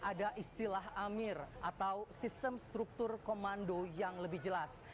dan ada istilah amir atau sistem struktur komando yang lebih jelas